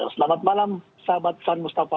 selamat malam sahabat san mustafa